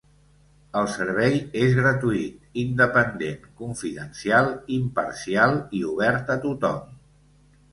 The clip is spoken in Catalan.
El servei és gratuït, independent, confidencial, imparcial i obert a tothom.